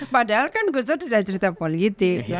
padahal kan gustur sudah cerita politik